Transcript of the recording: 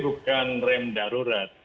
bukan rem darurat